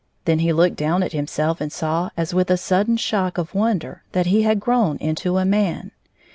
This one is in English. Then he looked down at himself and saw as with a sudden shock of wonder that he had grown into a man.